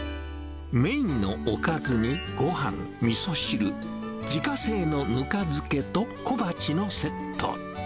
メインのおかずにごはん、みそ汁、自家製のぬか漬けと小鉢のセット。